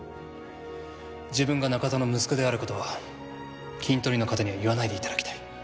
自分が中田の息子である事はキントリの方には言わないで頂きたい。